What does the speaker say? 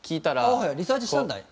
はいはいリサーチしたんだ。